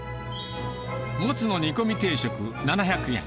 モツの煮込み定食７００円。